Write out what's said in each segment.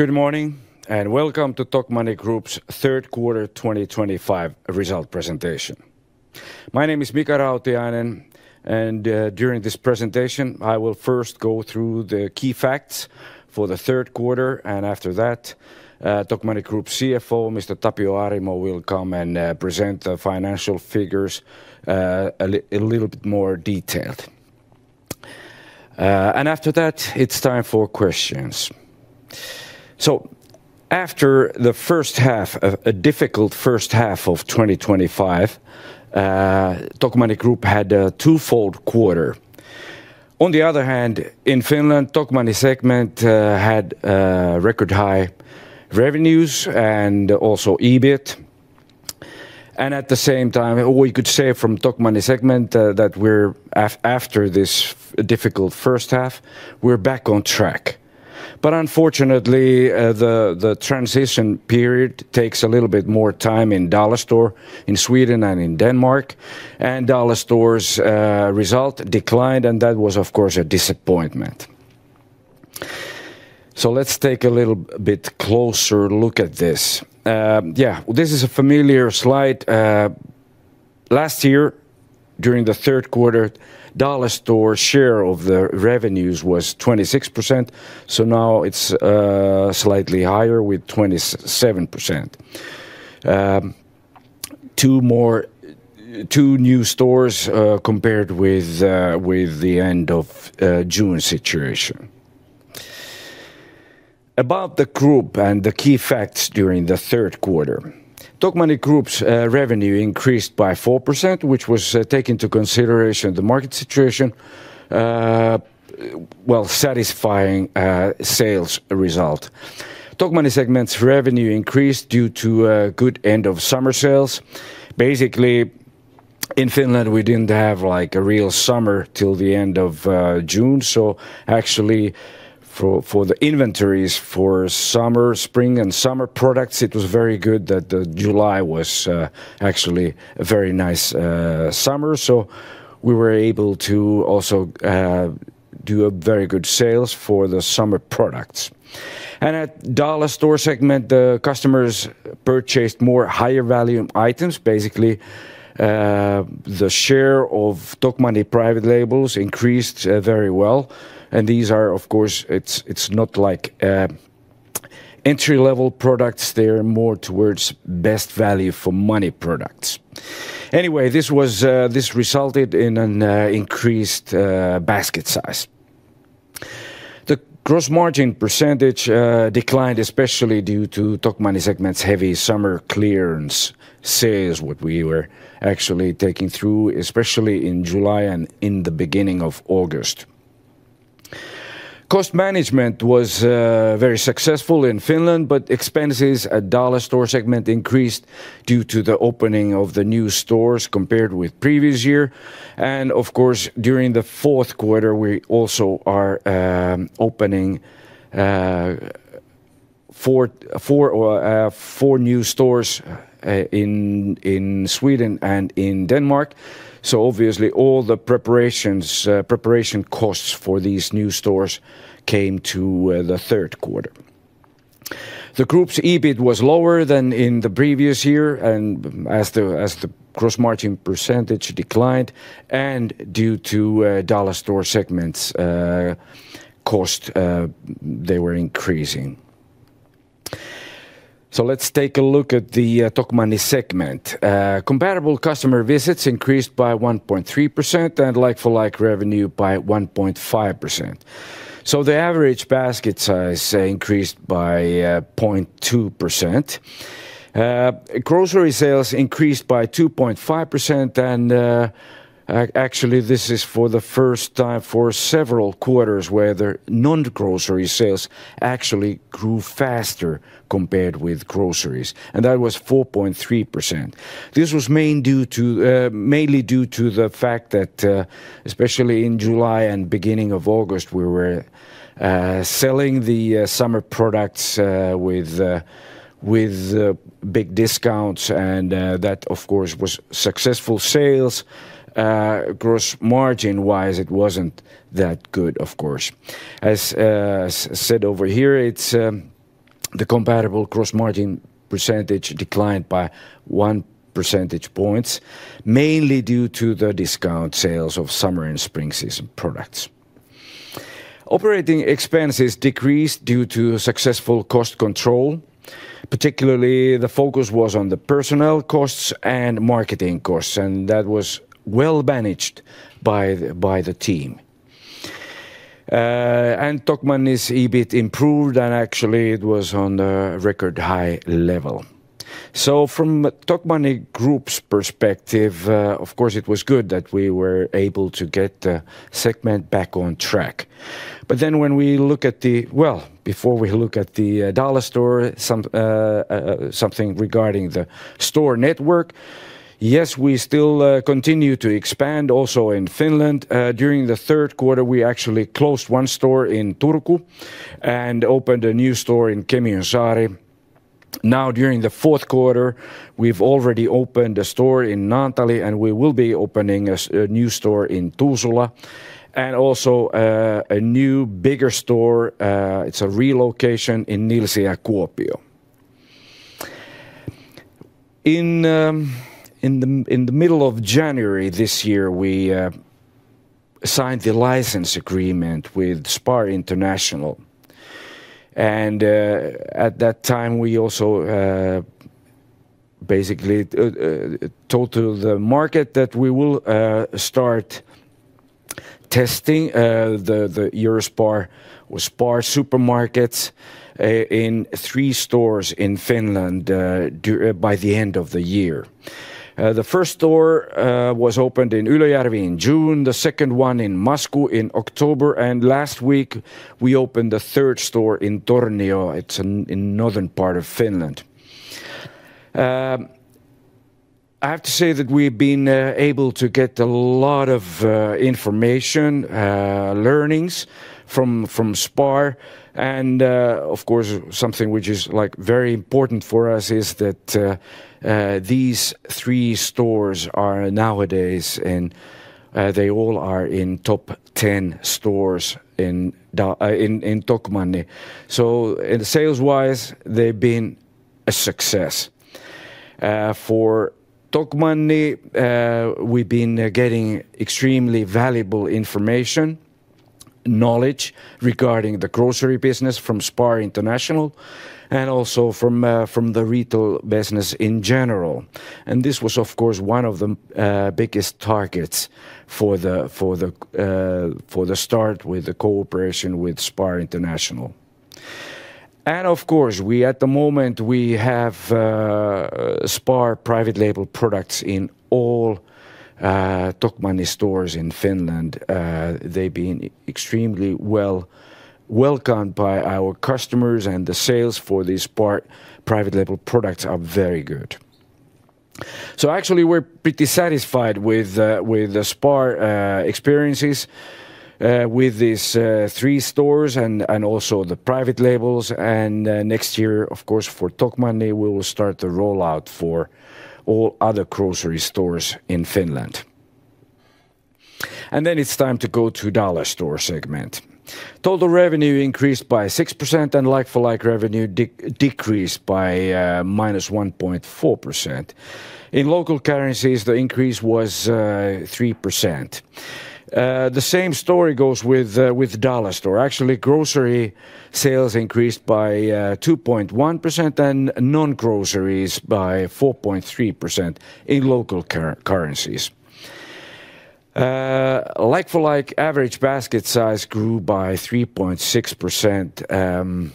Good morning and welcome to Tokmanni Group's third quarter 2025 result presentation. My name is Mika Rautiainen, and during this presentation, I will first go through the key facts for the third quarter, and after that, Tokmanni Group CFO Mr. Tapio Arimo will come and present the financial figures a little bit more detailed. After that, it's time for questions. After the first half, a difficult first half of 2025, Tokmanni Group had a two-fold quarter. On the other hand, in Finland, Tokmanni Segment had record high revenues and also EBIT. At the same time, we could say from Tokmanni Segment that we're, after this difficult first half, we're back on track. Unfortunately, the transition period takes a little bit more time in Dollarstore in Sweden and in Denmark, and Dollarstore's result declined, and that was, of course, a disappointment. Let's take a little bit closer look at this. Yeah, this is a familiar slide. Last year, during the third quarter, Dollarstore share of the revenues was 26%, so now it's slightly higher with 27%. Two new stores compared with the end of June situation. About the group and the key facts during the third quarter, Tokmanni Group's revenue increased by 4%, which was, taking into consideration the market situation, a satisfying sales result. Tokmanni Segment's revenue increased due to a good end of summer sales. Basically, in Finland, we didn't have like a real summer till the end of June, so actually for the inventories for summer, spring, and summer products, it was very good that July was actually a very nice summer, so we were able to also do very good sales for the summer products. At Dollarstore Segment, the customers purchased more higher value items. Basically, the share of Tokmanni Private Labels increased very well, and these are, of course, it's not like entry level products; they're more towards best value for money products. Anyway, this resulted in an increased basket size. The gross margin percentage declined, especially due to Tokmanni Segment's heavy summer clearance sales, what we were actually taking through, especially in July and in the beginning of August. Cost management was very successful in Finland, but expenses at Dollarstore Segment increased due to the opening of the new stores compared with previous year. Of course, during the fourth quarter, we also are opening four new stores in Sweden and in Denmark, so obviously all the preparation costs for these new stores came to the third quarter. The group's EBIT was lower than in the previous year, and as the gross margin percentage declined, and due to Dollarstore Segment's cost, they were increasing. Let's take a look at the Tokmanni Segment. Comparable customer visits increased by 1.3% and like-for-like revenue by 1.5%. The average basket size increased by 0.2%. Grocery sales increased by 2.5%, and actually this is for the first time for several quarters where the non-grocery sales actually grew faster compared with groceries, and that was 4.3%. This was mainly due to the fact that, especially in July and beginning of August, we were selling the summer products with big discounts, and that, of course, was successful sales. Gross margin-wise, it was not that good, of course. As said over here, the comparable gross margin percentage declined by 1% point, mainly due to the discount sales of summer and spring season products. Operating expenses decreased due to successful cost control. Particularly, the focus was on the personnel costs and marketing costs, and that was well managed by the team. Tokmanni's EBIT improved, and actually it was on a record high level. From Tokmanni Group's perspective, of course, it was good that we were able to get the segment back on track. Before we look at the Dollarstore, something regarding the store network, yes, we still continue to expand also in Finland. During the third quarter, we actually closed one store in Turku and opened a new store in Kemiönsaari. During the fourth quarter, we've already opened a store in Naantali, and we will be opening a new store in Tuusula, and also a new bigger store. It's a relocation in Nilsiä, Kuopio. In the middle of January this year, we signed the license agreement with SPAR International, and at that time, we also basically told to the market that we will start testing the EUROSPAR, SPAR supermarkets in three stores in Finland by the end of the year. The first store was opened in Ylöjärvi in June, the second one in Masku in October, and last week, we opened the third store in Tornio. It is in the northern part of Finland. I have to say that we've been able to get a lot of information, learnings from SPAR, and of course, something which is like very important for us is that these three stores are nowadays, and they all are in top 10 stores in Tokmanni. Sales-wise, they've been a success. For Tokmanni, we've been getting extremely valuable information, knowledge regarding the grocery business from SPAR International and also from the retail business in general. This was, of course, one of the biggest targets for the start with the cooperation with SPAR International. Of course, at the moment, we have SPAR private label products in all Tokmanni stores in Finland. They've been extremely well welcomed by our customers, and the sales for these SPAR private label products are very good. Actually, we're pretty satisfied with the SPAR experiences with these three stores and also the private labels. Next year, of course, for Tokmanni, we will start the rollout for all other grocery stores in Finland. It is time to go to Dollarstore Segment. Total revenue increased by 6%, and like-for-like revenue decreased by -1.4%. In local currencies, the increase was 3%. The same story goes with Dollarstore. Actually, grocery sales increased by 2.1%, and non-groceries by 4.3% in local currencies. Like-for-like average basket size grew by 3.6%.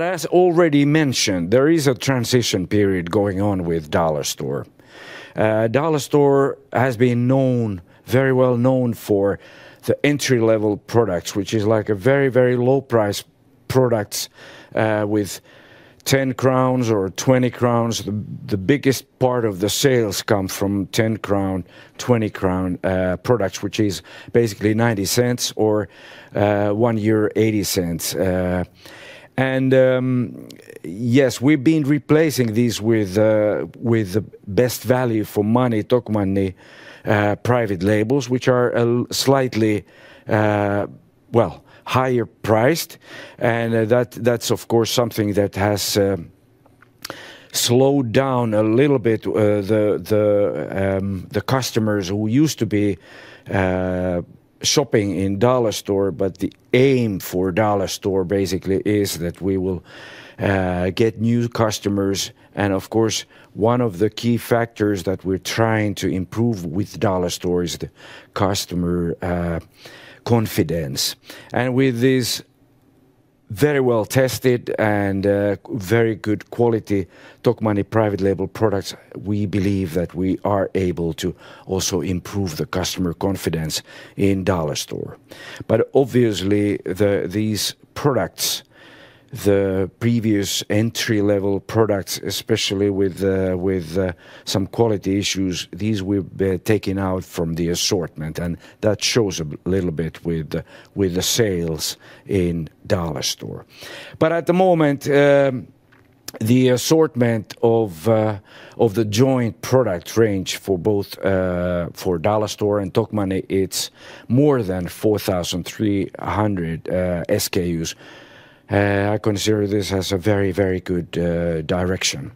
As already mentioned, there is a transition period going on with Dollarstore. Dollarstore has been very well known for the entry level products, which is like very, very low price products with 10 crowns or 20 crowns. The biggest part of the sales comes from 10 crown, 20 crown products, which is basically 0.90 or 1.80. Yes, we've been replacing these with the best value for money Tokmanni Private Labels, which are slightly, well, higher priced. That is, of course, something that has slowed down a little bit the customers who used to be shopping in Dollarstore. The aim for Dollarstore basically is that we will get new customers. Of course, one of the key factors that we're trying to improve with Dollarstore is the customer confidence. With these very well tested and very good quality Tokmanni Private Label products, we believe that we are able to also improve the customer confidence in Dollarstore. Obviously, these products, the previous entry level products, especially with some quality issues, we've taken out from the assortment, and that shows a little bit with the sales in Dollarstore. At the moment, the assortment of the joint product range for both Dollarstore and Tokmanni, it's more than 4,300 SKUs. I consider this as a very, very good direction.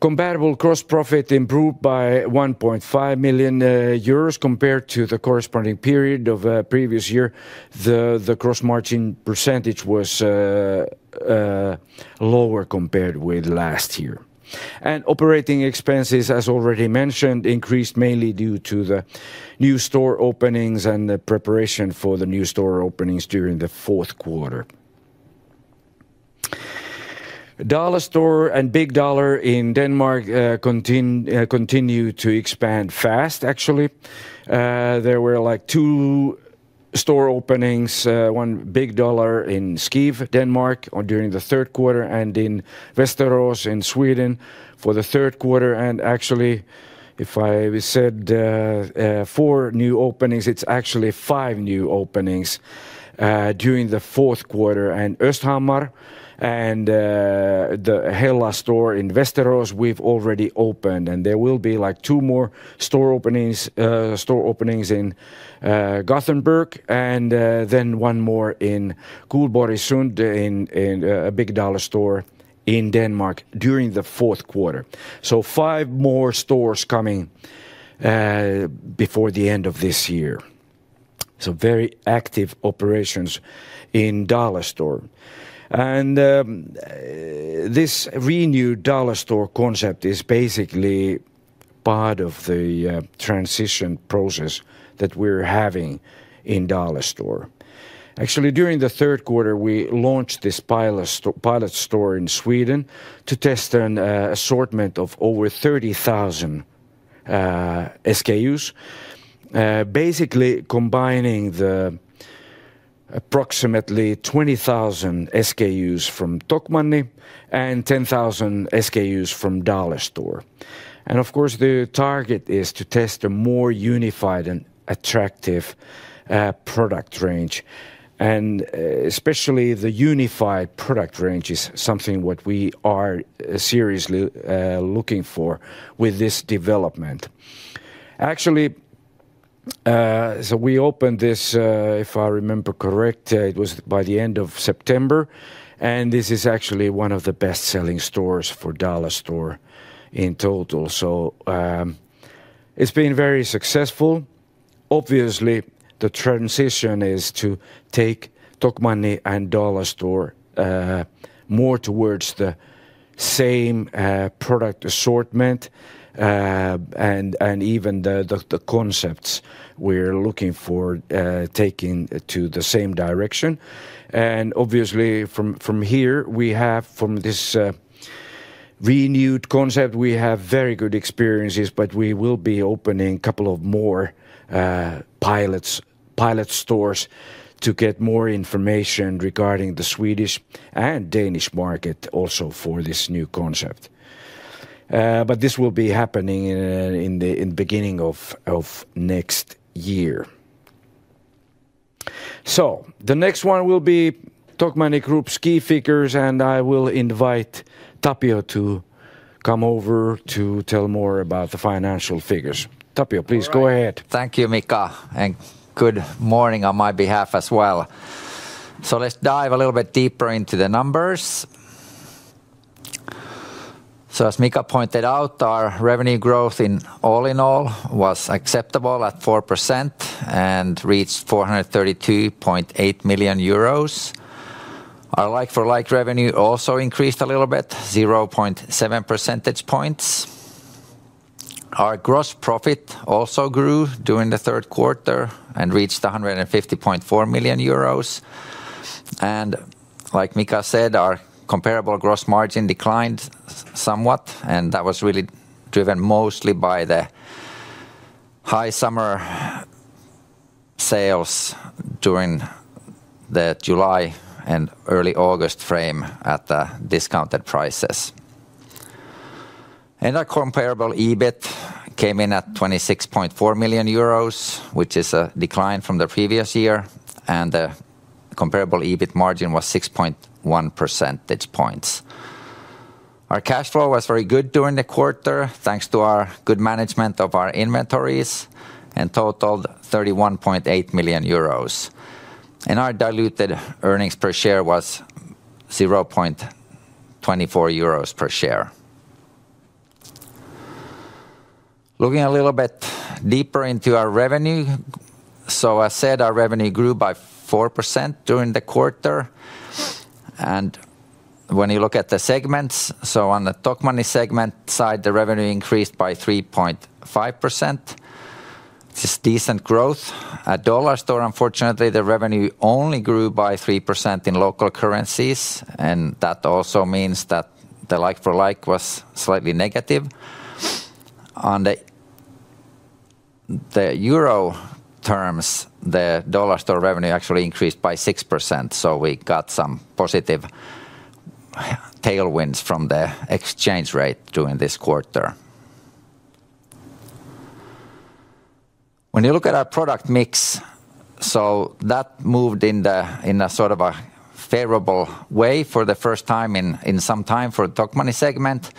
Comparable gross profit improved by 1.5 million euros compared to the corresponding period of previous year. The gross margin percentage was lower compared with last year. Operating expenses, as already mentioned, increased mainly due to the new store openings and the preparation for the new store openings during the fourth quarter. Dollarstore and Big Dollar in Denmark continue to expand fast, actually. There were like two store openings, one Big Dollar in Skive, Denmark, during the third quarter, and in Västerås in Sweden for the third quarter. If I said four new openings, it's actually five new openings during the fourth quarter. Östhammar and the Hella store in Västerås, we've already opened, and there will be like two more store openings in Gothenburg, and then one more in Gullborgsund in a Big Dollar store in Denmark during the fourth quarter. Five more stores coming before the end of this year. Very active operations in Dollarstore. This renewed Dollarstore concept is basically part of the transition process that we're having in Dollarstore. Actually, during the third quarter, we launched this pilot store in Sweden to test an assortment of over 30,000 SKUs, basically combining the approximately 20,000 SKUs from Tokmanni and 10,000 SKUs from Dollarstore. The target is to test a more unified and attractive product range. Especially the unified product range is something we are seriously looking for with this development. Actually, we opened this, if I remember correct, it was by the end of September, and this is actually one of the best selling stores for Dollarstore in total. It has been very successful. Obviously, the transition is to take Tokmanni and Dollarstore more towards the same product assortment and even the concepts we're looking for taking to the same direction. Obviously, from here, we have from this renewed concept, we have very good experiences, but we will be opening a couple of more pilot stores to get more information regarding the Swedish and Danish market also for this new concept. This will be happening in the beginning of next year. The next one will be Tokmanni Group's key figures, and I will invite Tapio to come over to tell more about the financial figures. Tapio, please go ahead. Thank you, Mika, and good morning on my behalf as well. Let's dive a little bit deeper into the numbers. As Mika pointed out, our revenue growth in all in all was acceptable at 4% and reached 432.8 million euros. Our like-for-like revenue also increased a little bit, 0.7% points. Our gross profit also grew during the third quarter and reached 150.4 million euros. Like Mika said, our comparable gross margin declined somewhat, and that was really driven mostly by the high summer sales during that July and early August frame at the discounted prices. Our comparable EBIT came in at 26.4 million euros, which is a decline from the previous year, and the comparable EBIT margin was 6.1% points. Our cash flow was very good during the quarter thanks to our good management of our inventories and totaled 31.8 million euros. Our diluted earnings per share was 0.24 euros per share. Looking a little bit deeper into our revenue, as said, our revenue grew by 4% during the quarter. When you look at the segments, on the Tokmanni Segment side, the revenue increased by 3.5%. It is a decent growth. At Dollarstore, unfortunately, the revenue only grew by 3% in local currencies, and that also means that the like-for-like was slightly negative. In EUR terms, the Dollarstore revenue actually increased by 6%, so we got some positive tailwinds from the exchange rate during this quarter. When you look at our product mix, that moved in a sort of a favorable way for the first time in some time for the Tokmanni Segment.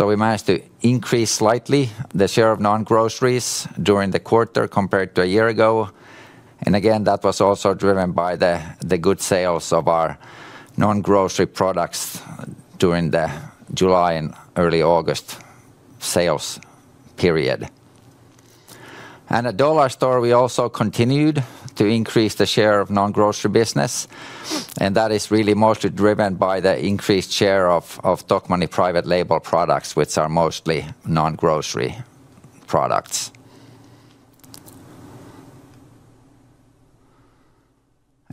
We managed to increase slightly the share of non-groceries during the quarter compared to a year ago. That was also driven by the good sales of our non-grocery products during the July and early August sales period. At Dollarstore, we also continued to increase the share of non-grocery business, and that is really mostly driven by the increased share of Tokmanni Private Label products, which are mostly non-grocery products.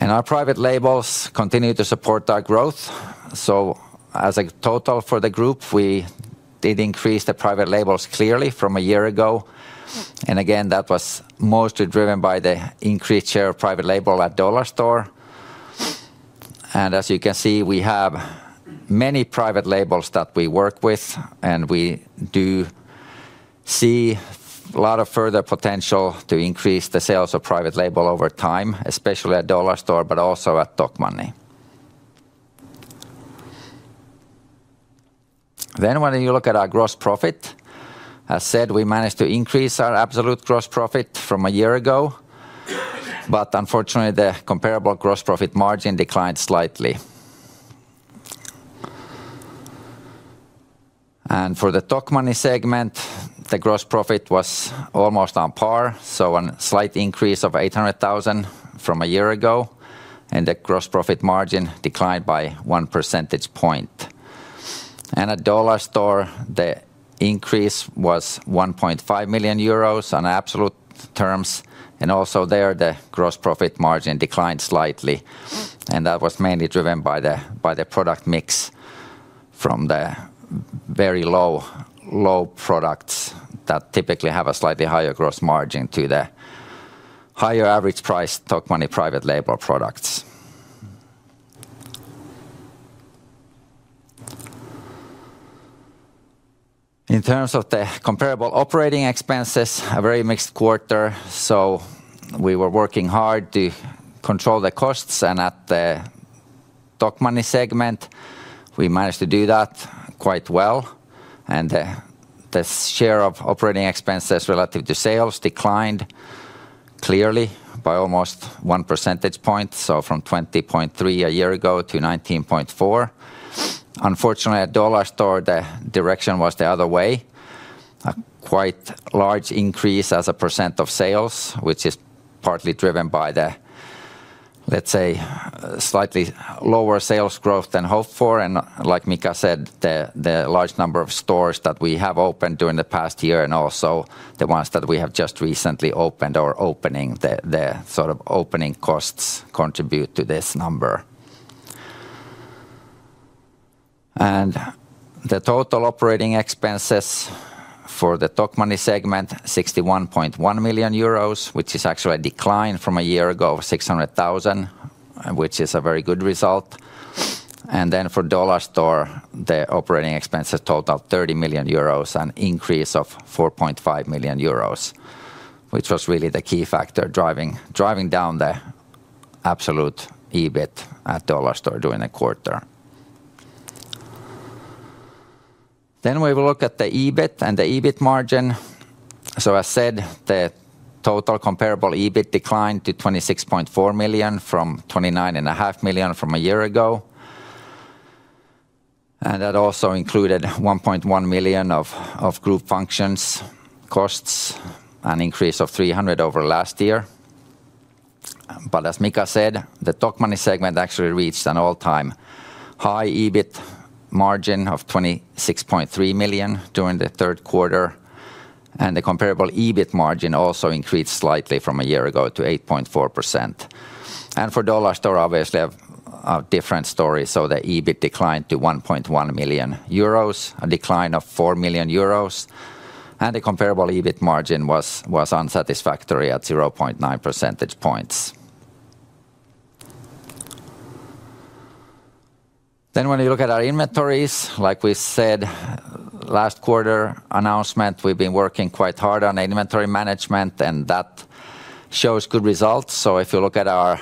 Our private labels continue to support our growth. As a total for the group, we did increase the private labels clearly from a year ago. That was mostly driven by the increased share of private label at Dollarstore. As you can see, we have many private labels that we work with, and we do see a lot of further potential to increase the sales of private label over time, especially at Dollarstore, but also at Tokmanni. When you look at our gross profit, as said, we managed to increase our absolute gross profit from a year ago, but unfortunately, the comparable gross profit margin declined slightly. For the Tokmanni Segment, the gross profit was almost on par, so a slight increase of 800,000 from a year ago, and the gross profit margin declined by 1% point. At Dollarstore, the increase was 1.5 million euros on absolute terms, and also there, the gross profit margin declined slightly. That was mainly driven by the product mix from the very low products that typically have a slightly higher gross margin to the higher average price Tokmanni Private Label products. In terms of the comparable operating expenses, a very mixed quarter, so we were working hard to control the costs, and at the Tokmanni Segment, we managed to do that quite well. The share of operating expenses relative to sales declined clearly by almost 1% point, so from 20.3% a year ago to 19.4%. Unfortunately, at Dollarstore, the direction was the other way. A quite large increase as a percent of sales, which is partly driven by the, let's say, slightly lower sales growth than hoped for. Like Mika said, the large number of stores that we have opened during the past year and also the ones that we have just recently opened or are opening, the sort of opening costs contribute to this number. The total operating expenses for the Tokmanni Segment, 61.1 million euros, which is actually a decline from a year ago of 600,000, which is a very good result. For Dollarstore, the operating expenses totaled 30 million euros, an increase of 4.5 million euros, which was really the key factor driving down the absolute EBIT at Dollarstore during the quarter. We will look at the EBIT and the EBIT margin. As said, the total comparable EBIT declined to 26.4 million from 29.5 million from a year ago. That also included 1.1 million of group functions costs, an increase of 300,000 over last year. As Mika said, the Tokmanni Segment actually reached an all-time high EBIT of 26.3 million during the third quarter. The comparable EBIT margin also increased slightly from a year ago to 8.4%. For Dollarstore, obviously, a different story. The EBIT declined to 1.1 million euros, a decline of 4 million euros. The comparable EBIT margin was unsatisfactory at 0.9% points. When you look at our inventories, like we said in the last quarter announcement, we've been working quite hard on inventory management, and that shows good results. If you look at our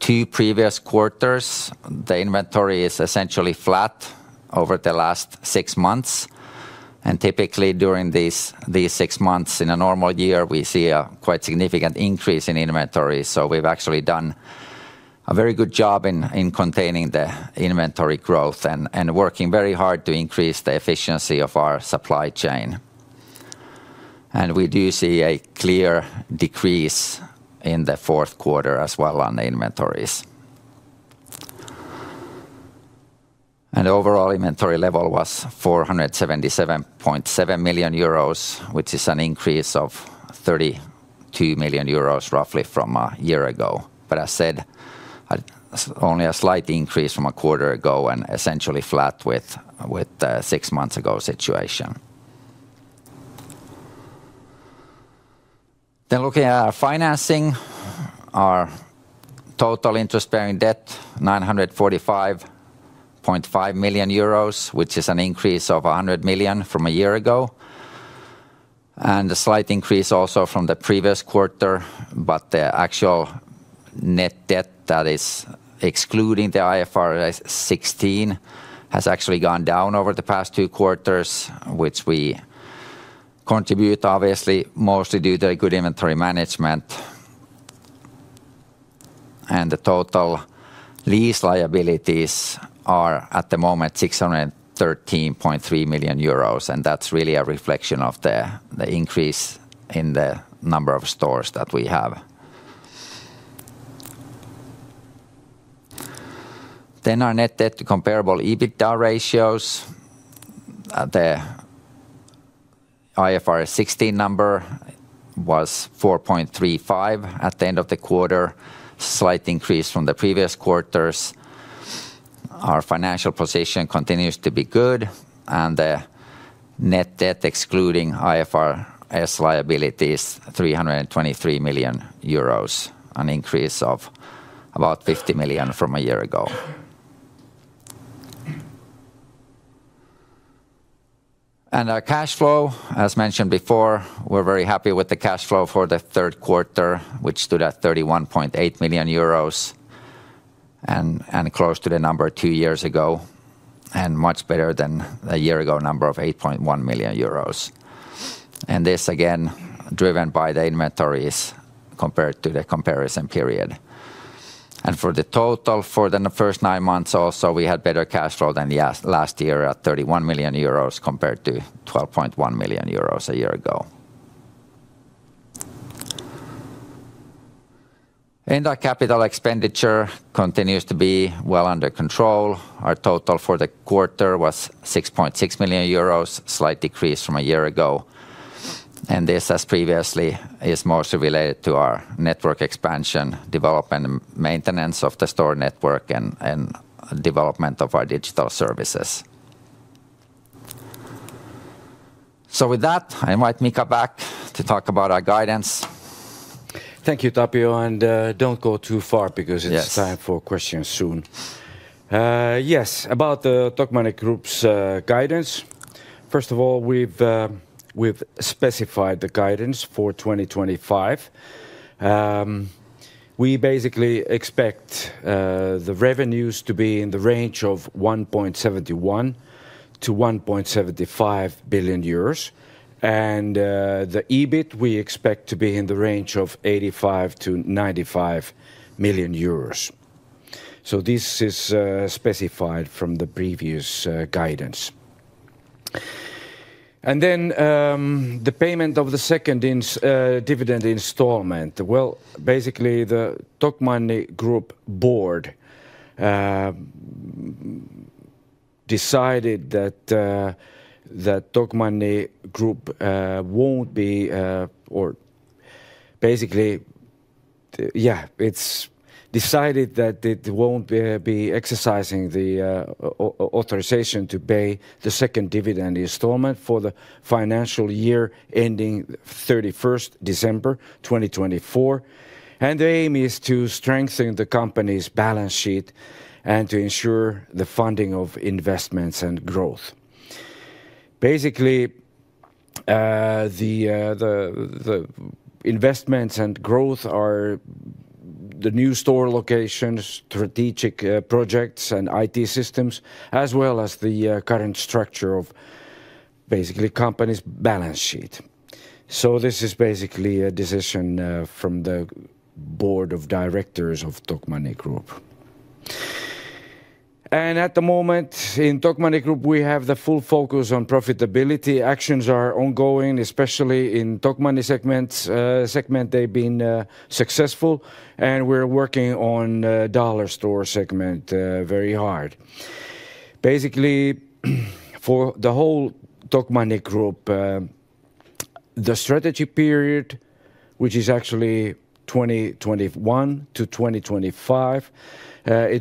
two previous quarters, the inventory is essentially flat over the last six months. Typically, during these six months in a normal year, we see a quite significant increase in inventory. We have actually done a very good job in containing the inventory growth and working very hard to increase the efficiency of our supply chain. We do see a clear decrease in the fourth quarter as well on the inventories. The overall inventory level was 477.7 million euros, which is an increase of 32 million euros roughly from a year ago, but as said, only a slight increase from a quarter ago and essentially flat with the six months ago situation. Looking at our financing, our total interest-bearing debt is 945.5 million euros, which is an increase of 100 million from a year ago, and a slight increase also from the previous quarter, but the actual net debt, that is excluding the IFRS 16, has actually gone down over the past two quarters, which we contribute obviously mostly due to the good inventory management. The total lease liabilities are at the moment 613.3 million euros, and that's really a reflection of the increase in the number of stores that we have. Our net debt to comparable EBITDA ratios, the IFRS 16 number was 4.35 at the end of the quarter, a slight increase from the previous quarters. Our financial position continues to be good, and the net debt excluding IFRS liabilities, 323 million euros, an increase of about 50 million from a year ago. Our cash flow, as mentioned before, we're very happy with the cash flow for the third quarter, which stood at 31.8 million euros and close to the number two years ago and much better than the year ago number of 8.1 million euros. This again, driven by the inventories compared to the comparison period. For the total for the first nine months also, we had better cash flow than last year at 31 million euros compared to 12.1 million euros a year ago. Our capital expenditure continues to be well under control. Our total for the quarter was 6.6 million euros, a slight decrease from a year ago. This, as previously, is mostly related to our network expansion, development and maintenance of the store network, and development of our digital services. With that, I invite Mika back to talk about our guidance. Thank you, Tapio, and do not go too far because it is time for questions soon. Yes, about the Tokmanni Group's guidance. First of all, we have specified the guidance for 2025. We basically expect the revenues to be in the range of 1.71 billion-1.75 billion euros, and the EBIT we expect to be in the range of 85 million-95 million euros. This is specified from the previous guidance. The payment of the second dividend installment, basically, the Tokmanni Group board decided that Tokmanni Group will not be, or basically, yeah, it is decided that it will not be exercising the authorization to pay the second dividend installment for the financial year ending 31st December 2024. The aim is to strengthen the company's balance sheet and to ensure the funding of investments and growth. Basically, the investments and growth are the new store locations, strategic projects, and IT systems, as well as the current structure of basically the company's balance sheet. This is basically a decision from the Board of Directors of Tokmanni Group. At the moment in Tokmanni Group, we have the full focus on profitability. Actions are ongoing, especially in the Tokmanni Segment. They've been successful, and we're working on Dollarstore Segment very hard. Basically, for the whole Tokmanni Group, the strategy period, which is actually 2021 to 2025,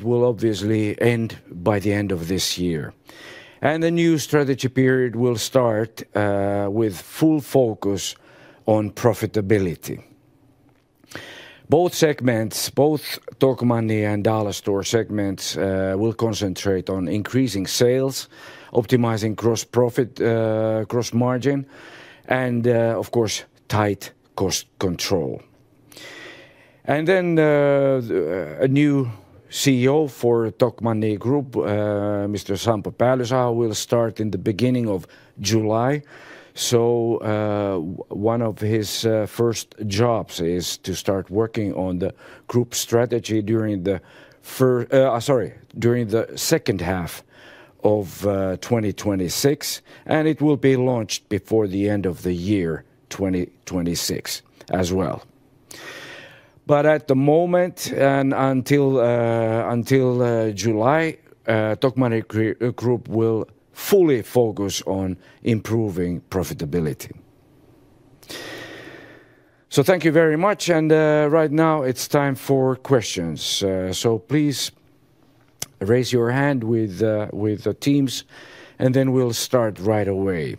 will obviously end by the end of this year. The new strategy period will start with full focus on profitability. Both segments, both Tokmanni and Dollarstore Segments, will concentrate on increasing sales, optimizing gross profit, gross margin, and of course, tight cost control. A new CEO for Tokmanni Group, Mr. Sampo Päällysaho, will start in the beginning of July. One of his first jobs is to start working on the group strategy during the second half of 2026, and it will be launched before the end of the year 2026 as well. At the moment and until July, Tokmanni Group will fully focus on improving profitability. Thank you very much, and right now it's time for questions. Please raise your hand with the teams, and then we'll start right away.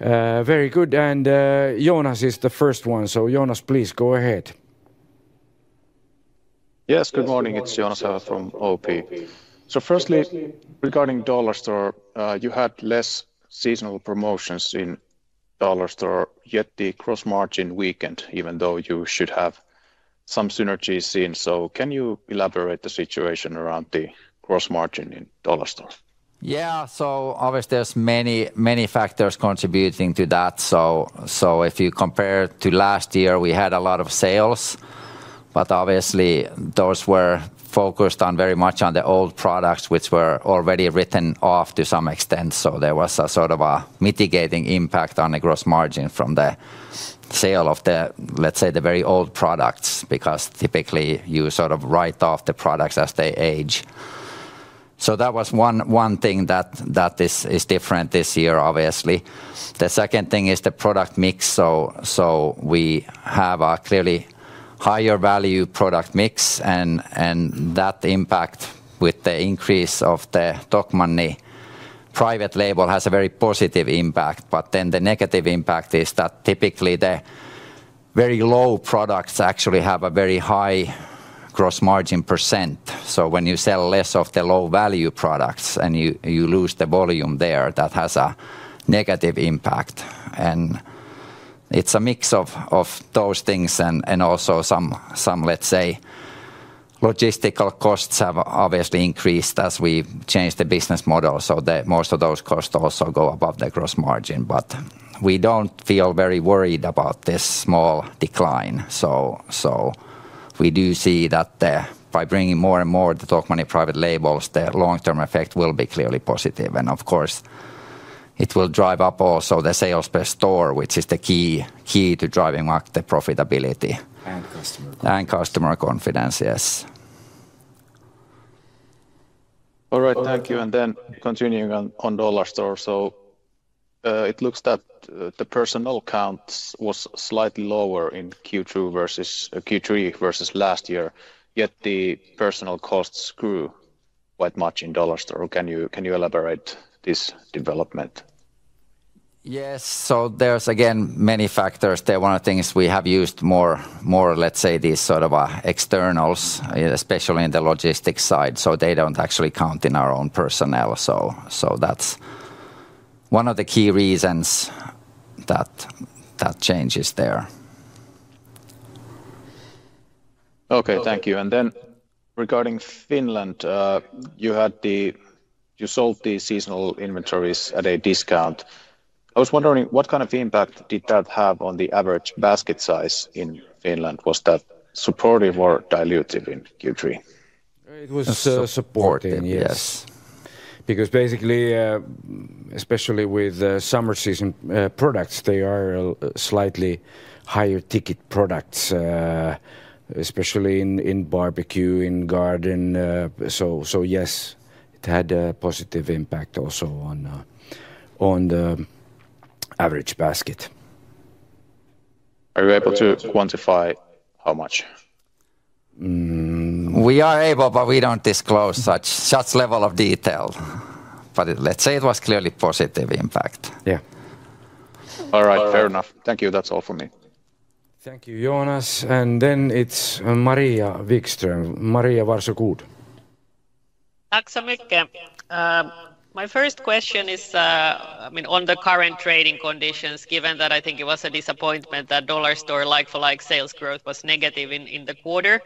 Very good, and Joonas is the first one. Joonas, please go ahead. Yes, good morning, it's Joonas from OP. Firstly, regarding Dollarstore, you had less seasonal promotions in Dollarstore, yet the gross margin weakened, even though you should have some synergy seen. Can you elaborate the situation around the gross margin in Dollarstore? Yeah, obviously there's many, many factors contributing to that. If you compare to last year, we had a lot of sales, but those were focused very much on the old products, which were already written off to some extent. There was a sort of a mitigating impact on the gross margin from the sale of the, let's say, the very old products, because typically you sort of write off the products as they age. That was one thing that is different this year, obviously. The second thing is the product mix. We have a clearly higher value product mix, and that impact with the increase of the Tokmanni Private Label has a very positive impact. The negative impact is that typically the very low products actually have a very high gross margin percent. When you sell less of the low value products and you lose the volume there, that has a negative impact. It's a mix of those things and also some, let's say, logistical costs have obviously increased as we changed the business model. Most of those costs also go above the gross margin. We do not feel very worried about this small decline. We do see that by bringing more and more to Tokmanni Private Labels, the long-term effect will be clearly positive. Of course, it will drive up also the sales per store, which is the key to driving up the profitability and customer confidence, yes. All right, thank you. Continuing on Dollarstore, it looks that the personnel count was slightly lower in Q2 versus Q3 versus last year, yet the personnel costs grew quite much in Dollarstore. Can you elaborate this development? Yes, there are again many factors. One of the things, we have used more, let's say, these sort of externals, especially in the logistics side, so they do not actually count in our own personnel. That is one of the key reasons that change is there. Okay, thank you. Regarding Finland, you had the, you sold the seasonal inventories at a discount. I was wondering what kind of impact did that have on the average basket size in Finland? Was that supportive or dilutive in Q3? It was supporting, yes. Because basically, especially with the summer season products, they are slightly higher ticket products, especially in barbecue, in garden. Yes, it had a positive impact also on the average basket. Are you able to quantify how much? We are able, but we do not disclose such level of detail. Let us say it was clearly positive impact. Yeah. All right, fair enough. Thank you, that is all for me. Thank you, Joonas. Then it is Maria Wikström. Thanks, Mika. My first question is, I mean, on the current trading conditions, given that I think it was a disappointment that Dollarstore like-for-like sales growth was negative in the quarter.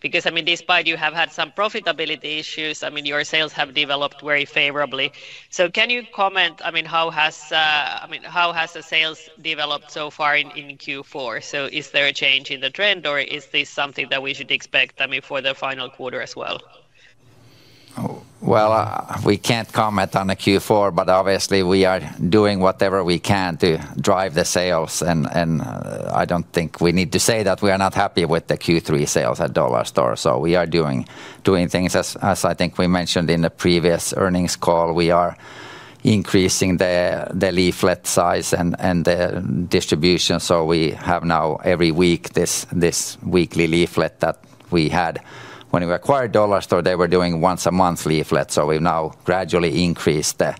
Because, I mean, despite you have had some profitability issues, I mean, your sales have developed very favorably. So can you comment, I mean, how has the sales developed so far in Q4? Is there a change in the trend or is this something that we should expect, I mean, for the final quarter as well? We can't comment on the Q4, but obviously we are doing whatever we can to drive the sales. I don't think we need to say that we are not happy with the Q3 sales at Dollarstore. We are doing things, as I think we mentioned in the previous earnings call, we are increasing the leaflet size and the distribution. We have now every week this weekly leaflet that we had. When we acquired Dollarstore, they were doing once a month leaflet. We have now gradually increased the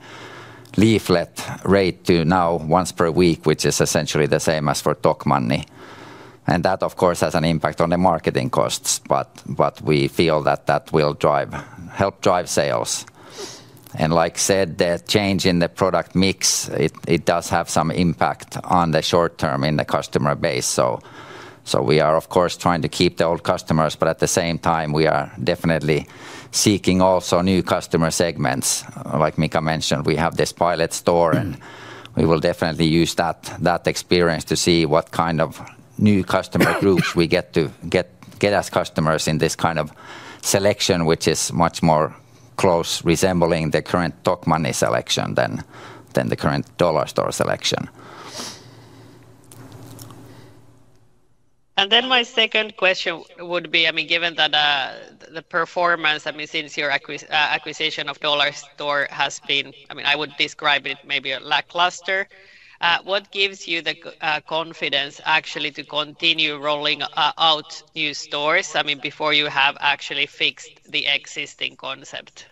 leaflet rate to once per week, which is essentially the same as for Tokmanni. That, of course, has an impact on the marketing costs, but we feel that will help drive sales. Like I said, the change in the product mix does have some impact on the short term in the customer base. We are, of course, trying to keep the old customers, but at the same time, we are definitely seeking also new customer segments. Like Mika mentioned, we have this pilot store and we will definitely use that experience to see what kind of new customer groups we get to get as customers in this kind of selection, which is much more close, resembling the current Tokmanni selection than the current Dollarstore selection. My second question would be, I mean, given that the performance, I mean, since your acquisition of Dollarstore has been, I mean, I would describe it maybe as lackluster. What gives you the confidence actually to continue rolling out new stores? I mean, before you have actually fixed the existing concept?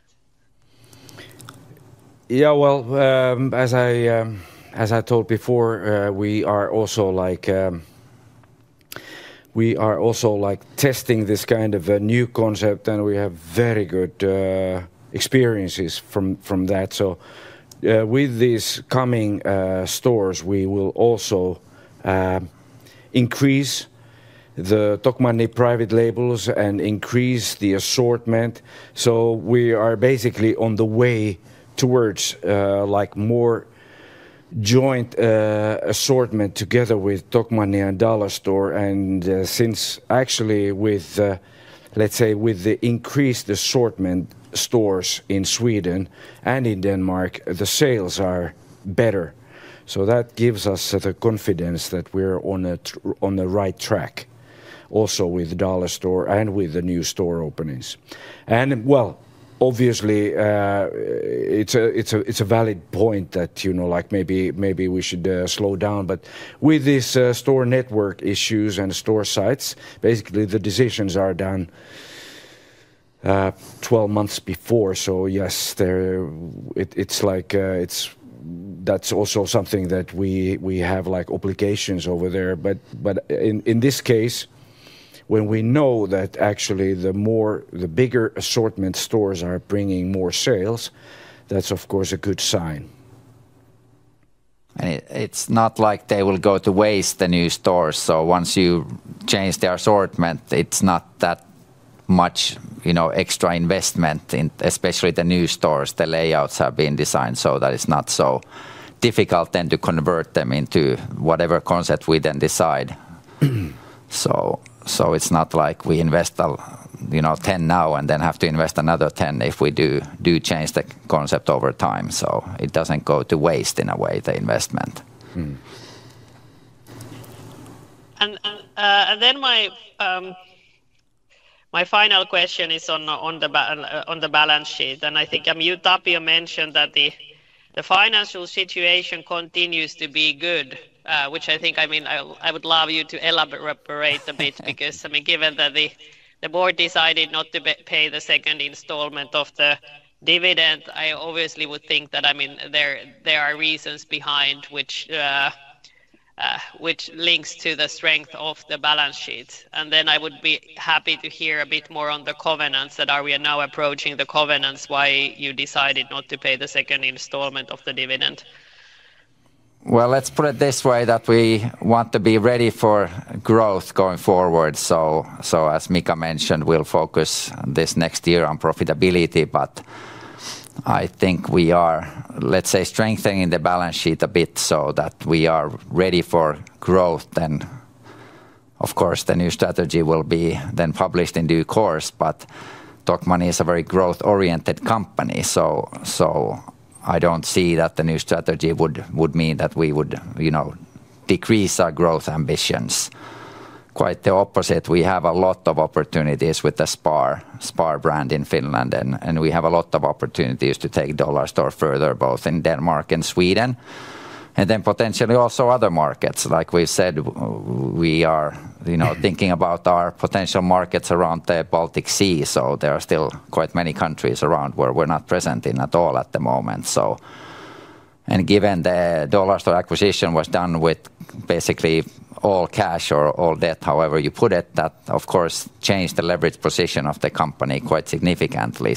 As I told before, we are also like, we are also like testing this kind of a new concept and we have very good experiences from that. With these coming stores, we will also increase the Tokmanni Private Labels and increase the assortment. We are basically on the way towards like more joint assortment together with Tokmanni and Dollarstore. Since actually with, let's say, with the increased assortment stores in Sweden and in Denmark, the sales are better. That gives us the confidence that we're on the right track also with Dollarstore and with the new store openings. Obviously, it's a valid point that, you know, like maybe we should slow down. With these store network issues and store sites, basically the decisions are done 12 months before. Yes, it's like, that's also something that we have like obligations over there. In this case, when we know that actually the bigger assortment stores are bringing more sales, that's of course a good sign. It's not like they will go to waste, the new stores. Once you change the assortment, it's not that much, you know, extra investment in especially the new stores. The layouts have been designed so that it's not so difficult then to convert them into whatever concept we then decide. It's not like we invest, you know, 10 now and then have to invest another 10 if we do change the concept over time. It doesn't go to waste in a way, the investment. My final question is on the balance sheet. I think Tapio mentioned that the financial situation continues to be good, which I think, I mean, I would love you to elaborate a bit because, I mean, given that the board decided not to pay the second installment of the dividend, I obviously would think that, I mean, there are reasons behind which links to the strength of the balance sheet. I would be happy to hear a bit more on the covenants. Are we now approaching the covenants, why you decided not to pay the second installment of the dividend? Let's put it this way, we want to be ready for growth going forward. As Mika mentioned, we'll focus this next year on profitability. I think we are, let's say, strengthening the balance sheet a bit so that we are ready for growth. Of course, the new strategy will be then published in due course. Tokmanni is a very growth-oriented company. I don't see that the new strategy would mean that we would, you know, decrease our growth ambitions. Quite the opposite. We have a lot of opportunities with the SPAR brand in Finland. We have a lot of opportunities to take Dollarstore further, both in Denmark and Sweden. Then potentially also other markets. Like we've said, we are, you know, thinking about our potential markets around the Baltic Sea. There are still quite many countries around where we're not present in at all at the moment. Given the Dollarstore acquisition was done with basically all cash or all debt, however you put it, that of course changed the leverage position of the company quite significantly.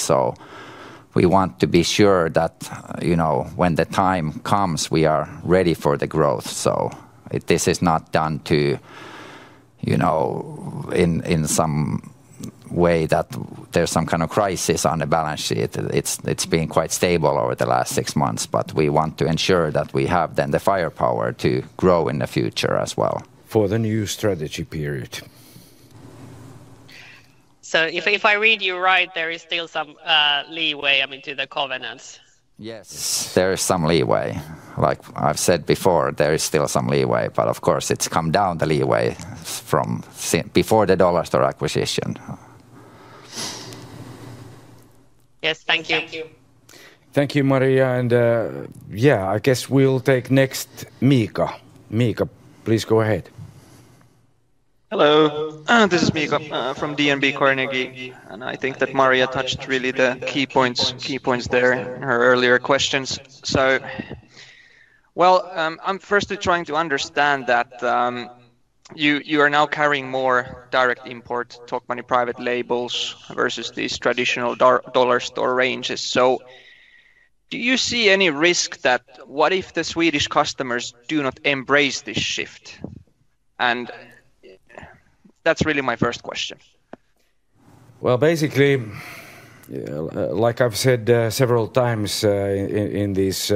We want to be sure that, you know, when the time comes, we are ready for the growth. This is not done to, you know, in some way that there's some kind of crisis on the balance sheet. It's been quite stable over the last six months, but we want to ensure that we have then the firepower to grow in the future as well. For the new strategy period. If I read you right, there is still some leeway, I mean, to the covenants. Yes, there is some leeway. Like I've said before, there is still some leeway, but of course it's come down, the leeway from before the Dollarstore acquisition. Yes, thank you. Thank you, Maria. Yeah, I guess we'll take next Miika. Miika, please go ahead. Hello, this is Miika from DNB Carnegie. I think that Maria touched really the key points there in her earlier questions. I'm firstly trying to understand that you are now carrying more direct import Tokmanni Private Labels versus these traditional Dollarstore ranges. Do you see any risk that what if the Swedish customers do not embrace this shift? That is really my first question. Basically, like I have said several times in these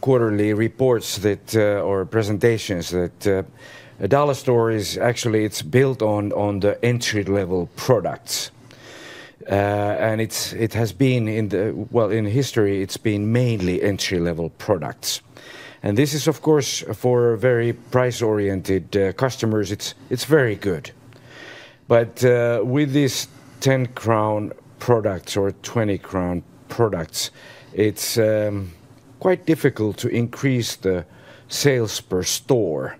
quarterly reports or presentations, a Dollarstore is actually, it is built on the entry-level products. It has been in the, well, in history, it has been mainly entry-level products. This is, of course, for very price-oriented customers, it is very good. With these 10 crown products or 20 crown products, it is quite difficult to increase the sales per store.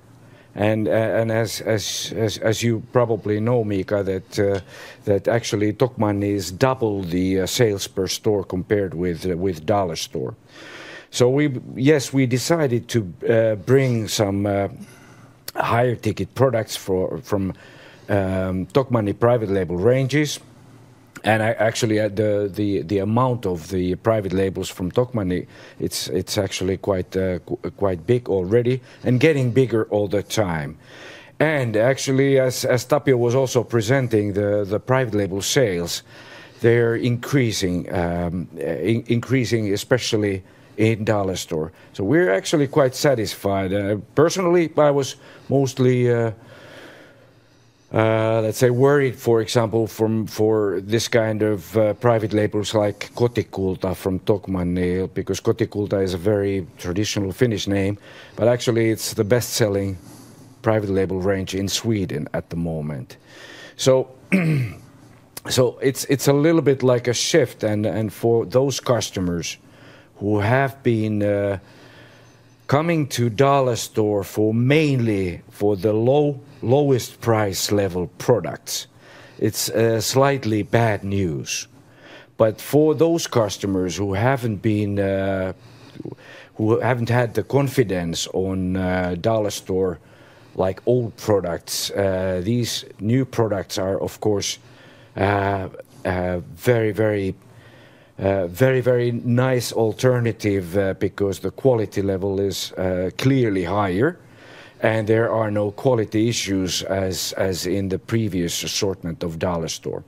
As you probably know, Miika, actually Tokmanni is double the sales per store compared with Dollarstore. Yes, we decided to bring some higher ticket products from Tokmanni Private Label ranges. Actually, the amount of the private labels from Tokmanni, it is actually quite big already and getting bigger all the time. Actually, as Tapio was also presenting, the private label sales, they're increasing, especially in Dollarstore. We're actually quite satisfied. Personally, I was mostly, let's say, worried, for example, for this kind of private labels like Kotikulta from Tokmanni, because Kotikulta is a very traditional Finnish name, but actually it's the best-selling private label range in Sweden at the moment. It's a little bit like a shift. For those customers who have been coming to Dollarstore mainly for the lowest price level products, it's slightly bad news. For those customers who haven't had the confidence on Dollarstore, like old products, these new products are of course very, very, very, very nice alternative because the quality level is clearly higher and there are no quality issues as in the previous assortment of Dollarstore.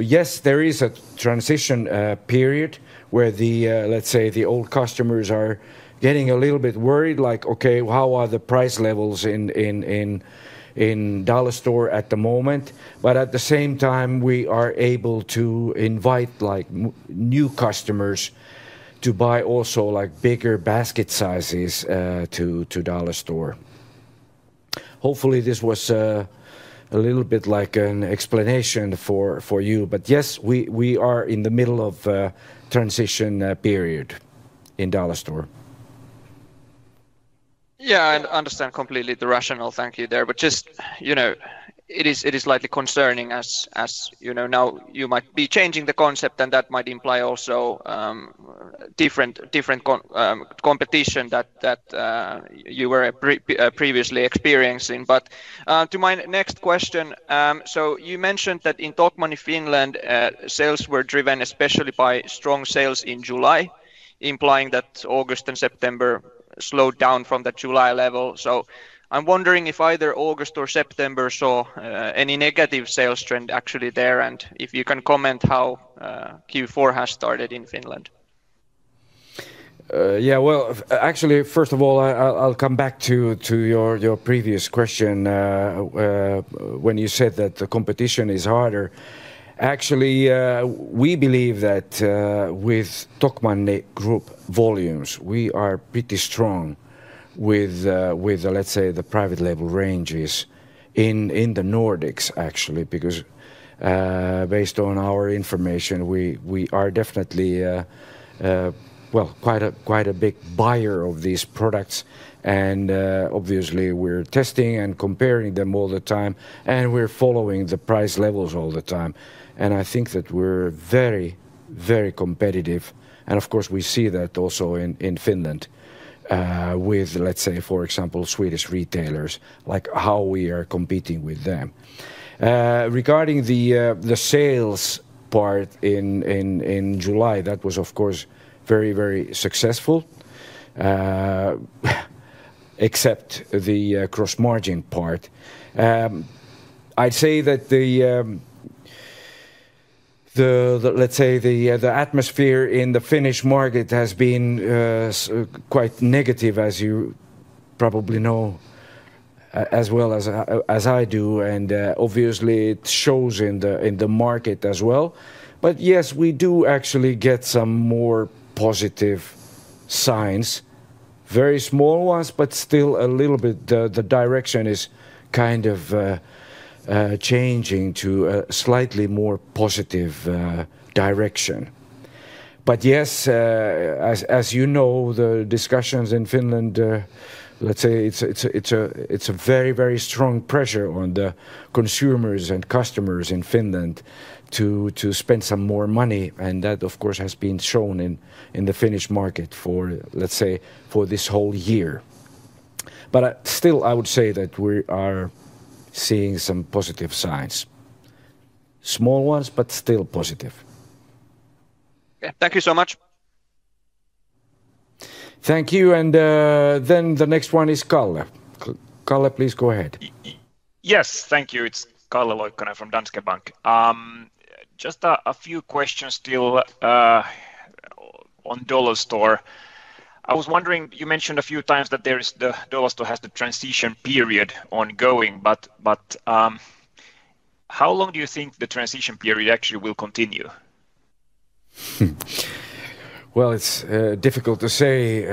Yes, there is a transition period where the, let's say, the old customers are getting a little bit worried, like, okay, how are the price levels in Dollarstore at the moment? At the same time, we are able to invite new customers to buy also, like, bigger basket sizes to Dollarstore. Hopefully this was a little bit like an explanation for you. Yes, we are in the middle of a transition period in Dollarstore. Yeah, I understand completely the rationale, thank you there. Just, you know, it is slightly concerning as, you know, now you might be changing the concept and that might imply also different competition that you were previously experiencing. To my next question, you mentioned that in Tokmanni, Finland, sales were driven especially by strong sales in July, implying that August and September slowed down from the July level. I'm wondering if either August or September saw any negative sales trend actually there. If you can comment how Q4 has started in Finland. Yeah, actually, first of all, I'll come back to your previous question when you said that the competition is harder. Actually, we believe that with Tokmanni Group volumes, we are pretty strong with, let's say, the private label ranges in the Nordics, actually, because based on our information, we are definitely, well, quite a big buyer of these products. Obviously, we're testing and comparing them all the time. We're following the price levels all the time. I think that we're very, very competitive. Of course, we see that also in Finland with, let's say, for example, Swedish retailers, like how we are competing with them. Regarding the sales part in July, that was of course very, very successful, except the gross margin part. I'd say that the, let's say, the atmosphere in the Finnish market has been quite negative, as you probably know as well as I do. Obviously, it shows in the market as well. Yes, we do actually get some more positive signs, very small ones, but still a little bit the direction is kind of changing to a slightly more positive direction. Yes, as you know, the discussions in Finland, let's say, it's a very, very strong pressure on the consumers and customers in Finland to spend some more money. That, of course, has been shown in the Finnish market for, let's say, for this whole year. Still, I would say that we are seeing some positive signs. Small ones, but still positive. Thank you so much. Thank you. The next one is Calle. Calle, please go ahead. Yes, thank you. It's Calle Loikkanen from Danske Bank. Just a few questions still on Dollarstore. I was wondering, you mentioned a few times that Dollarstore has the transition period ongoing, but how long do you think the transition period actually will continue? It's difficult to say.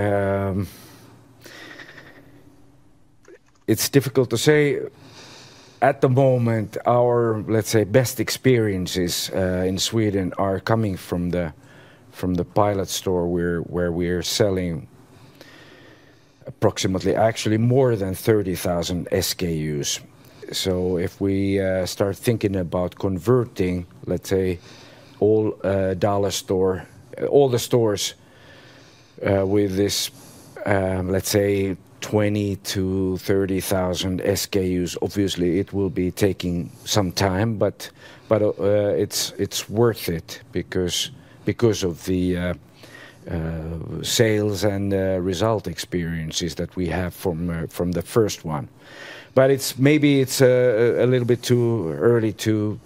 It's difficult to say. At the moment, our, let's say, best experiences in Sweden are coming from the pilot store where we are selling approximately actually more than 30,000 SKUs. If we start thinking about converting, let's say, all Dollarstore, all the stores with this, let's say, 20,000-30,000 SKUs, obviously it will be taking some time, but it's worth it because of the sales and result experiences that we have from the first one. Maybe it's a little bit too early to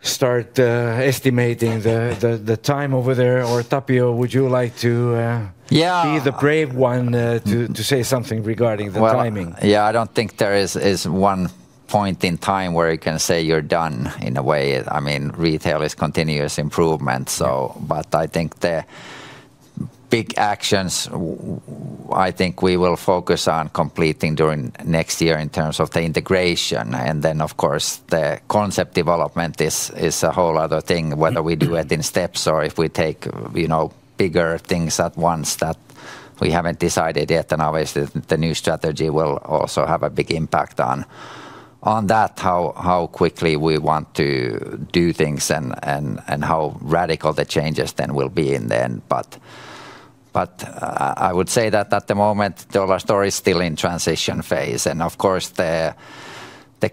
start estimating the time over there. Tapio, would you like to be the brave one to say something regarding the timing? Yeah, I don't think there is one point in time where you can say you're done in a way. I mean, retail is continuous improvement. I think the big actions, I think we will focus on completing during next year in terms of the integration. Of course, the concept development is a whole other thing, whether we do it in steps or if we take, you know, bigger things at once that we have not decided yet. Obviously, the new strategy will also have a big impact on that, how quickly we want to do things and how radical the changes then will be in the end. I would say that at the moment, Dollarstore is still in transition phase. Of course, the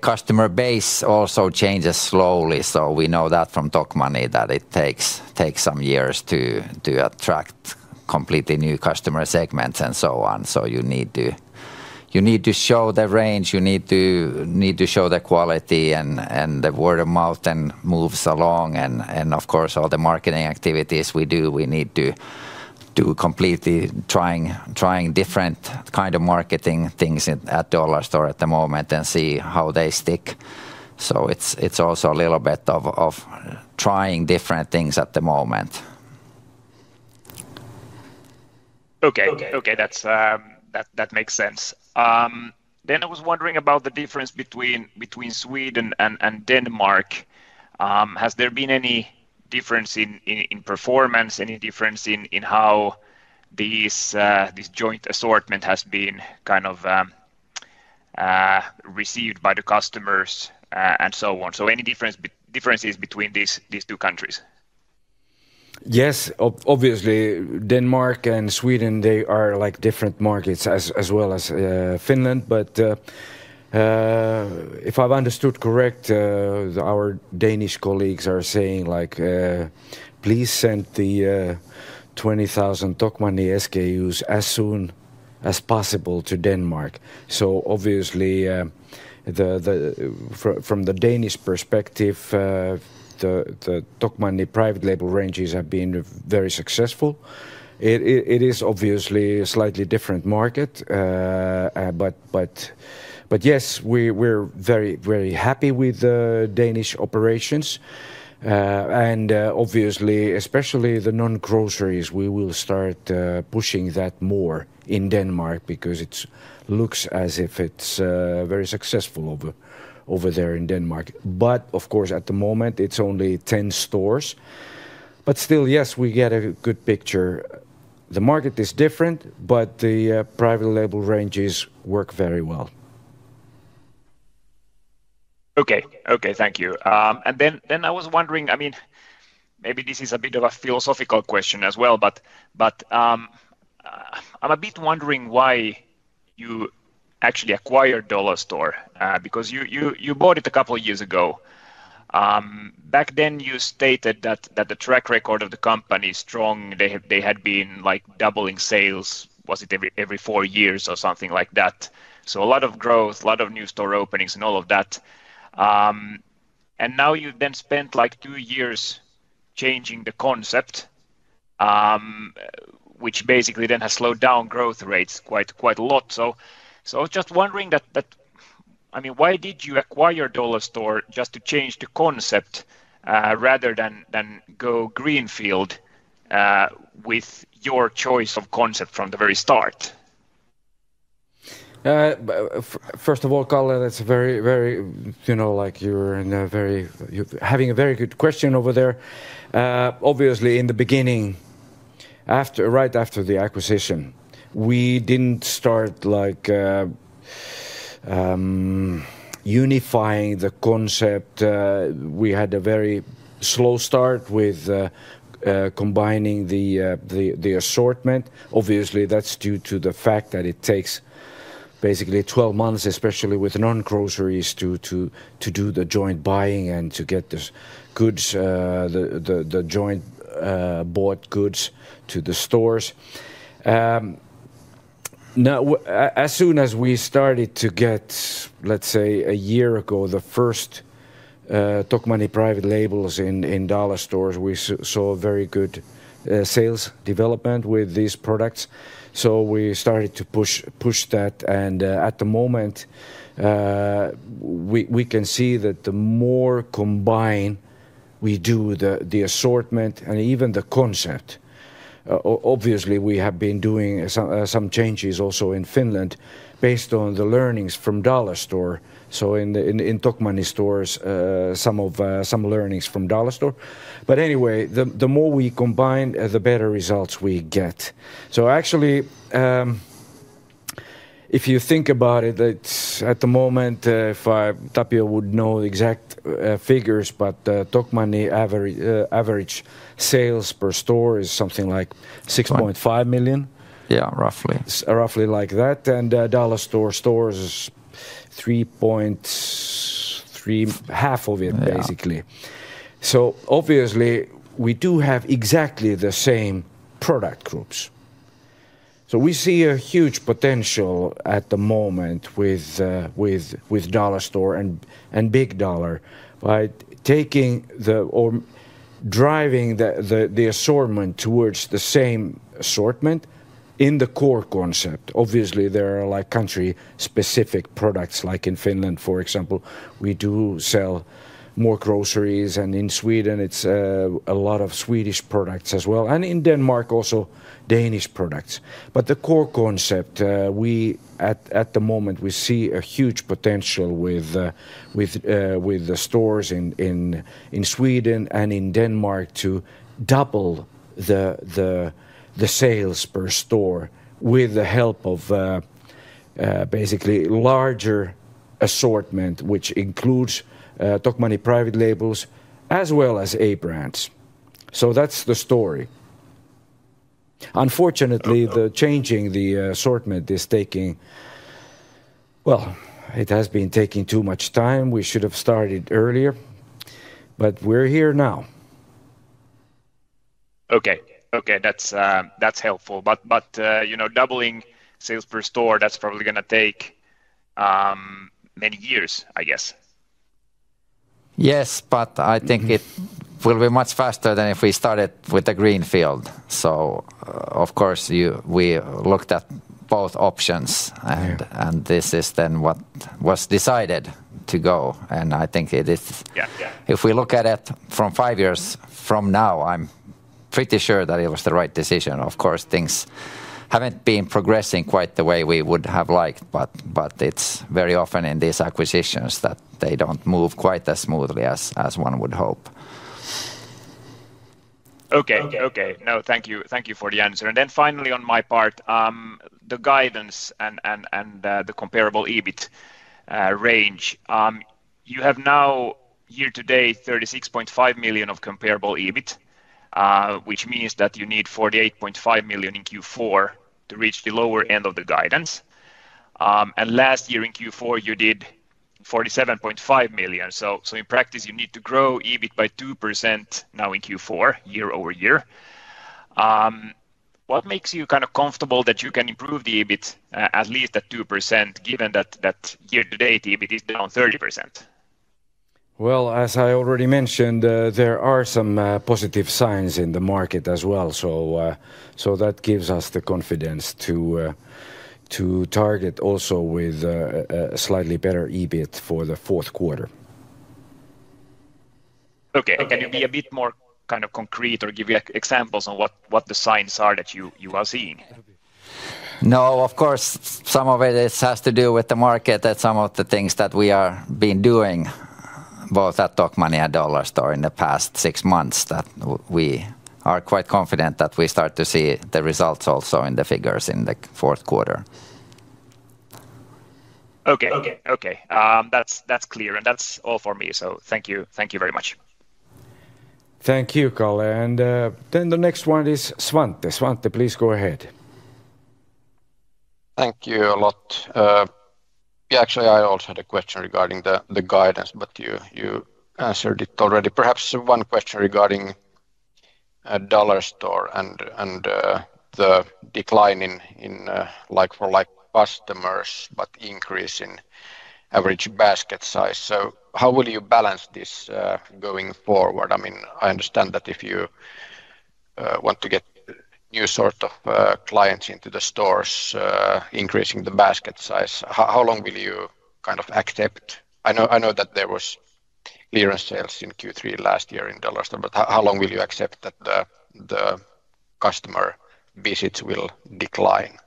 customer base also changes slowly. We know that from Tokmanni that it takes some years to attract completely new customer segments and so on. You need to show the range. You need to show the quality and the word of mouth then moves along. Of course, all the marketing activities we do, we need to completely try different kind of marketing things at Dollarstore at the moment and see how they stick. It is also a little bit of trying different things at the moment. Okay, okay, that makes sense. I was wondering about the difference between Sweden and Denmark. Has there been any difference in performance, any difference in how this joint assortment has been kind of received by the customers and so on? Any differences between these two countries? Yes, obviously, Denmark and Sweden, they are like different markets as well as Finland. If I have understood correct, our Danish colleagues are saying like, please send the 20,000 Tokmanni SKUs as soon as possible to Denmark. Obviously, from the Danish perspective, the Tokmanni Private Label ranges have been very successful. It is obviously a slightly different market. Yes, we're very, very happy with the Danish operations. Obviously, especially the non-groceries, we will start pushing that more in Denmark because it looks as if it's very successful over there in Denmark. Of course, at the moment, it's only 10 stores. Still, yes, we get a good picture. The market is different, but the private label ranges work very well. Okay, okay, thank you. I was wondering, I mean, maybe this is a bit of a philosophical question as well, but I'm a bit wondering why you actually acquired Dollarstore because you bought it a couple of years ago. Back then, you stated that the track record of the company is strong. They had been like doubling sales. Was it every four years or something like that? A lot of growth, a lot of new store openings and all of that. You then spent like two years changing the concept, which basically then has slowed down growth rates quite a lot. I was just wondering that, I mean, why did you acquire Dollarstore just to change the concept rather than go greenfield with your choice of concept from the very start? First of all, Calle, that's very, very, you know, like you're having a very good question over there. Obviously, in the beginning, right after the acquisition, we didn't start like unifying the concept. We had a very slow start with combining the assortment. Obviously, that's due to the fact that it takes basically 12 months, especially with non-groceries, to do the joint buying and to get the joint bought goods to the stores. Now, as soon as we started to get, let's say, a year ago, the first Tokmanni Private Labels in Dollarstore, we saw very good sales development with these products. We started to push that. At the moment, we can see that the more combined we do the assortment and even the concept, obviously, we have been doing some changes also in Finland based on the learnings from Dollarstore. In Tokmanni stores, some learnings from Dollarstore. Anyway, the more we combine, the better results we get. Actually, if you think about it, at the moment, if Tapio would know the exact figures, but Tokmanni average sales per store is something like 6.5 million. Yeah, roughly. Roughly like that. Dollarstore stores is 3.5 million of it, basically. Obviously, we do have exactly the same product groups. We see a huge potential at the moment with Dollarstore and Big Dollar, right? Taking the or driving the assortment towards the same assortment in the core concept. Obviously, there are like country-specific products, like in Finland, for example, we do sell more groceries. In Sweden, it's a lot of Swedish products as well. In Denmark, also Danish products. The core concept, at the moment, we see a huge potential with the stores in Sweden and in Denmark to double the sales per store with the help of basically larger assortment, which includes Tokmanni Private Labels as well as A-brands. That's the story. Unfortunately, changing the assortment is taking, well, it has been taking too much time. We should have started earlier, but we're here now. Okay, okay, that's helpful. But, you know, doubling sales per store, that's probably going to take many years, I guess. Yes, but I think it will be much faster than if we started with the greenfield. Of course, we looked at both options, and this is then what was decided to go. I think if we look at it from five years from now, I'm pretty sure that it was the right decision. Of course, things haven't been progressing quite the way we would have liked, but it's very often in these acquisitions that they don't move quite as smoothly as one would hope. Okay, okay. No, thank you for the answer. Then finally on my part, the guidance and the comparable EBIT range. You have now here today 36.5 million of comparable EBIT, which means that you need 48.5 million in Q4 to reach the lower end of the guidance. Last year in Q4, you did 47.5 million. In practice, you need to grow EBIT by 2% now in Q4, year-over-year. What makes you kind of comfortable that you can improve the EBIT at least at 2%, given that year to date EBIT is down 30%? As I already mentioned, there are some positive signs in the market as well. That gives us the confidence to target also with a slightly better EBIT for the fourth quarter. Okay. Can you be a bit more kind of concrete or give you examples on what the signs are that you are seeing? No, of course, some of it has to do with the market and some of the things that we are being doing both at Tokmanni and Dollarstore in the past six months that we are quite confident that we start to see the results also in the figures in the fourth quarter. Okay, okay, okay. That is clear. That is all for me. Thank you very much. Thank you, Calle. The next one is Svante. Svante, please go ahead. Thank you a lot. Actually, I also had a question regarding the guidance, but you answered it already. Perhaps one question regarding Dollarstore and the decline in like-for-like customers, but increase in average basket size. How will you balance this going forward? I mean, I understand that if you want to get new sort of clients into the stores, increasing the basket size, how long will you kind of accept? I know that there was clearance sales in Q3 last year in Dollarstore, but how long will you accept that the customer visits will decline?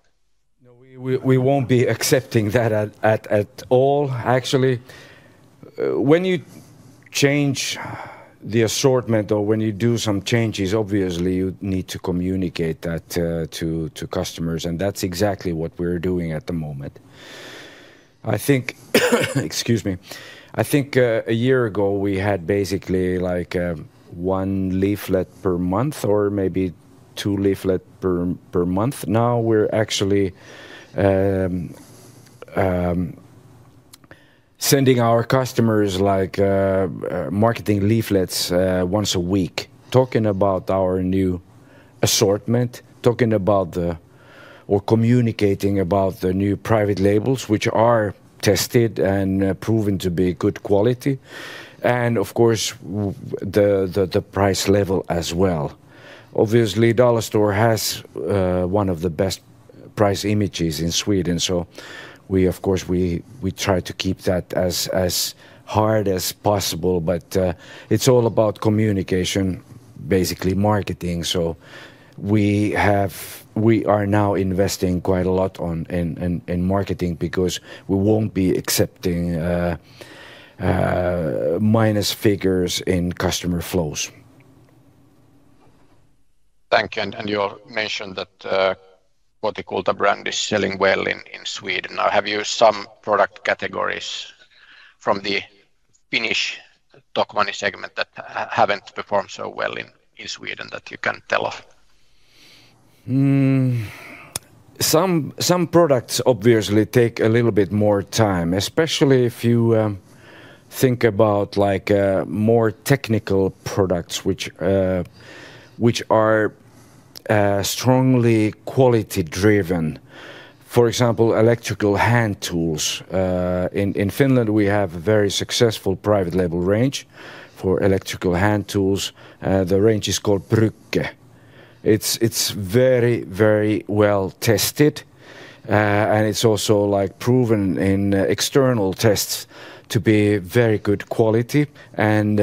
We won't be accepting that at all, actually. When you change the assortment or when you do some changes, obviously, you need to communicate that to customers. That is exactly what we're doing at the moment. I think, excuse me, I think a year ago we had basically like one leaflet per month or maybe two leaflets per month. Now we're actually sending our customers marketing leaflets once a week, talking about our new assortment, talking about the or communicating about the new private labels, which are tested and proven to be good quality. Of course, the price level as well. Obviously, Dollarstore has one of the best price images in Sweden. We try to keep that as hard as possible, but it is all about communication, basically marketing. We are now investing quite a lot in marketing because we will not be accepting minus figures in customer flows. Thank you. You mentioned that what you call the brand is selling well in Sweden. Now, have you some product categories from the Finnish Tokmanni Segment that have not performed so well in Sweden that you can tell of? Some products obviously take a little bit more time, especially if you think about more technical products which are strongly quality-driven. For example, electrical hand tools. In Finland, we have a very successful private label range for electrical hand tools. The range is called Brücke. It is very, very well tested. It is also proven in external tests to be very good quality and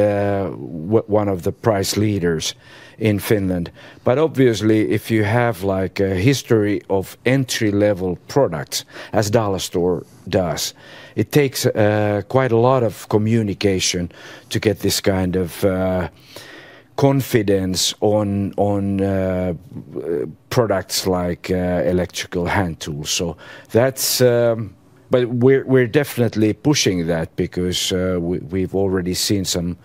one of the price leaders in Finland. Obviously, if you have a history of entry-level products as Dollarstore does, it takes quite a lot of communication to get this kind of confidence on products like electrical hand tools. We are definitely pushing that because we have already seen some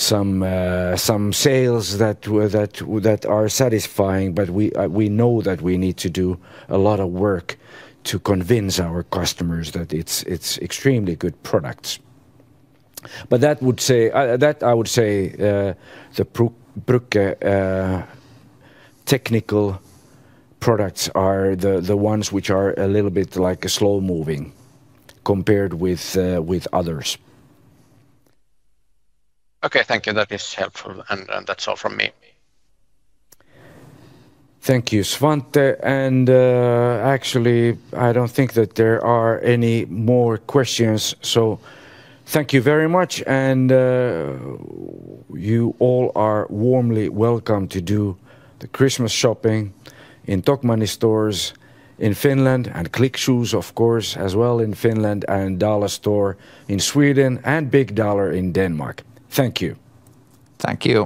sales that are satisfying, but we know that we need to do a lot of work to convince our customers that it is extremely good products. I would say the Brücke technical products are the ones which are a little bit slow-moving compared with others. Okay, thank you. That is helpful. That is all from me. Thank you, Svante. Actually, I do not think that there are any more questions. Thank you very much. You all are warmly welcome to do the Christmas shopping in Tokmanni stores in Finland and Click Shoes, of course, as well in Finland and Dollarstore in Sweden and Big Dollar in Denmark. Thank you. Thank you.